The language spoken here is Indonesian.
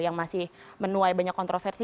yang masih menuai banyak kontroversi